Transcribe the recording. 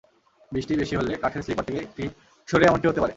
বৃষ্টি বেশি হলে কাঠের স্লিপার থেকে ক্লিপ সরে এমনটি হতে পারে।